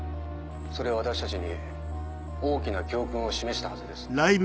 それは私たちに大きな教訓を示したはずです。